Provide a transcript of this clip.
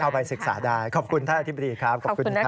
เข้าไปศึกษาได้ขอบคุณท่านอธิบดีครับ